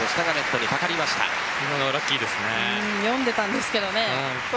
読んでたんですけどね。